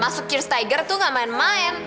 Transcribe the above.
masuk cheers tiger tuh gak main main